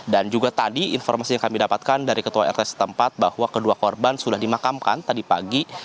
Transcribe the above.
juga tadi informasi yang kami dapatkan dari ketua rt setempat bahwa kedua korban sudah dimakamkan tadi pagi